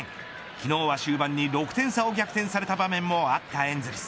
昨日は終盤に６点差を逆転された場面もあったエンゼルス。